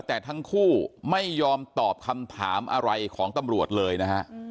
แต่ทั้งคู่ไม่ยอมตอบคำถามอะไรของตำรวจเลยนะฮะ